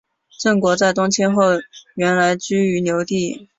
郑国在东迁后原来居于留地。